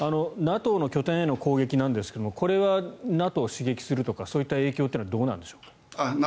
ＮＡＴＯの拠点への攻撃なんですがこれはＮＡＴＯを刺激するとかそういった影響はどうなんでしょう。